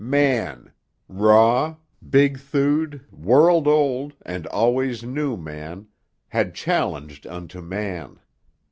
Man—raw, big thewed, world old and always new man—had challenged unto man.